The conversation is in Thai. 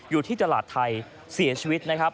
อยู่ที่ตลาดไทยเสียชีวิตนะครับ